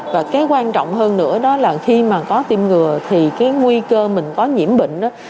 và cái quan trọng hơn nữa đó là khi mà có tiêm ngừa thì cái nguy cơ mình có nhiễm bệnh